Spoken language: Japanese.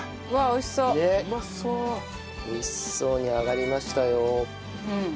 美味しそうに揚がりましたよ。